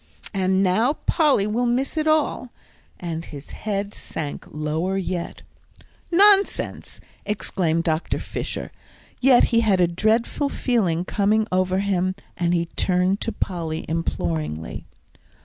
And now Polly will miss it all!" And his head sank lower yet. "Nonsense!" exclaimed Dr. Fisher. Yet he had a dreadful feeling coming over him, and he turned to Polly imploringly.